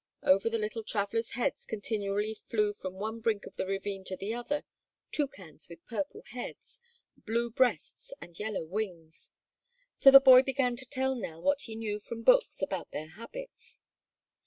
Over the little travelers' heads continually flew from one brink of the ravine to the other toucans with purple heads, blue breasts and yellow wings; so the boy began to tell Nell what he knew from books about their habits.